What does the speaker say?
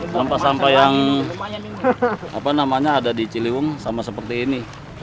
sampai sampai yang ada di ciliwung sama seperti ini